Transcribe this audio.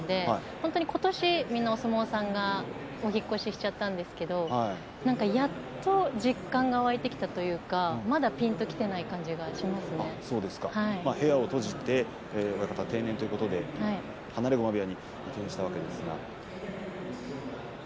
本当にことしお相撲さんがお引っ越しをしたんですがやっと実感が湧いてきたというかまだピンときていない感じが部屋を閉じて親方が定年ということで放駒部屋に移籍したわけですね。